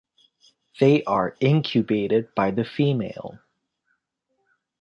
They are incubated by the female.